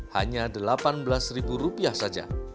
hanya delapan belas rupiah saja